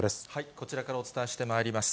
こちらからお伝えしてまいります。